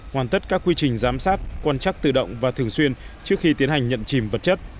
hoàn tất các quy trình giám sát quan chắc tự động và thường xuyên trước khi tiến hành nhận chìm vật chất